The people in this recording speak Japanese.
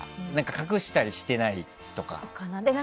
隠したりしてないとか。